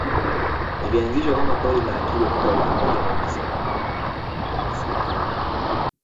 Ilianzishwa kama pori la akiba mwaka elfu moja mia tisa sitini